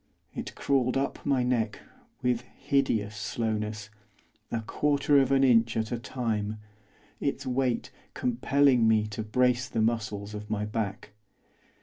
It crawled up my neck, with hideous slowness, a quarter of an inch at a time, its weight compelling me to brace the muscles of my back.